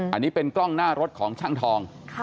อันนี้เป็นกล้องหน้ารถของช่างทอง